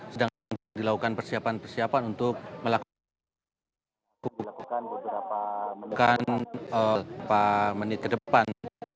sedang dilakukan persiapan persiapan untuk melakukan beberapa bukan menit ke depan